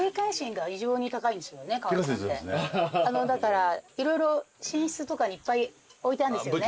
だから色々寝室とかにいっぱい置いてあるんですよね？